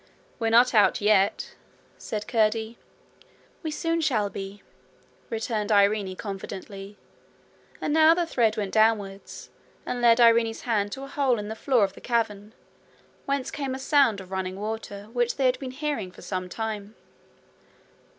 'We're not out yet,' said Curdie. 'We soon shall be,' returned Irene confidently. And now the thread went downwards, and led Irene's hand to a hole in the floor of the cavern, whence came a sound of running water which they had been hearing for some time.